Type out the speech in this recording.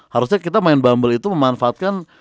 harusnya kita main bumble itu memanfaatkan